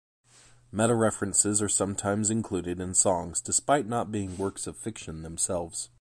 Meta-references are sometimes included in songs, despite not being works of fiction themselves.